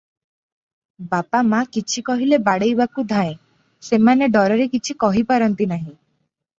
ବାପ ମା କିଛି କହିଲେ ବାଡ଼େଇବାକୁ ଧାଏଁ, ସେମାନେ ଡରରେ କିଛି କହି ପାରନ୍ତି ନାହିଁ ।